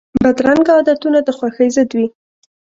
بدرنګه عادتونه د خوښۍ ضد وي